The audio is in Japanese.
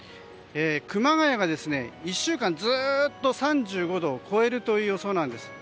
熊谷が１週間ずっと３５度を超えるという予想なんです。